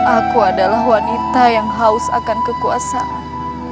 aku adalah wanita yang haus akan kekuasaan